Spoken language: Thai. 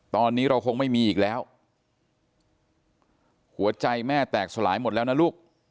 ตอนนี้เราคงไม่มีอีกแล้วหัวใจแม่แตกสลายหมดแล้วนะลูก